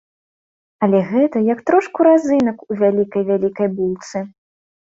Але гэта як трошку разынак у вялікай-вялікай булцы.